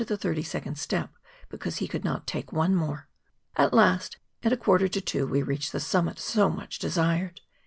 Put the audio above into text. the thirty second step, because he could not take one more. At last, at a quarter to two, we reached the summit so much desired.